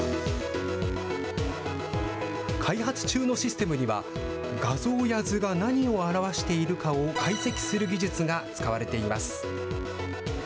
開発中のシステムには、画像や図が何を表しているかを解析する技術が使われています。